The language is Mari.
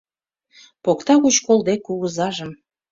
Покта угыч кол дек кугызажым: